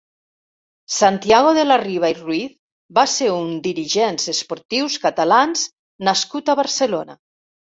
Santiago de la Riva i Ruiz va ser un dirigents esportius catalans nascut a Barcelona.